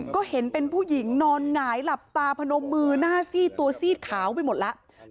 ก็เห็นเป็นผู้หญิงนอนหงายหลับตาพนมมือหน้าซีดตัวซีดขาวไปหมดแล้ว